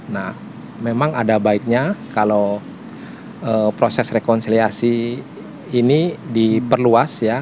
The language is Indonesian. nah memang ada baiknya kalau proses rekonsiliasi ini diperluas ya